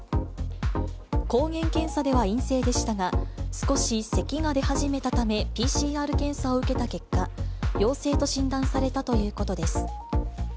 抗原検査では陰性でしたが、少しせきが出始めたためＰＣＲ検査を受けた結果、陽性と診断されたということです。